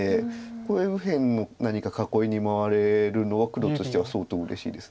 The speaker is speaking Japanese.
これで右辺の何か囲いに回れるのは黒としては相当うれしいです。